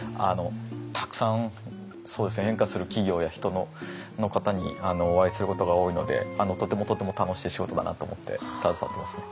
たくさん変化する企業や人のの方にお会いすることが多いのでとてもとても楽しい仕事だなと思って携わってますね。